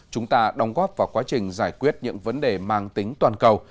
chúng ta đóng góp vào quá trình giải quyết những vấn đề mang tính toàn cầu